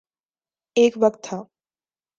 ایک وقت تھا۔